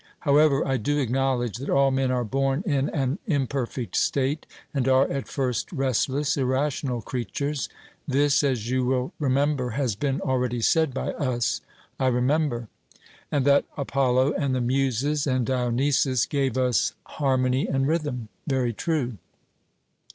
However I do acknowledge that all men are born in an imperfect state, and are at first restless, irrational creatures: this, as you will remember, has been already said by us. 'I remember.' And that Apollo and the Muses and Dionysus gave us harmony and rhythm? 'Very true.'